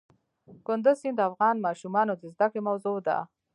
کندز سیند د افغان ماشومانو د زده کړې موضوع ده.